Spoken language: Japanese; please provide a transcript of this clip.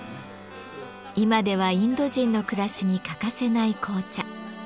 今ではインド人の暮らしに欠かせない紅茶。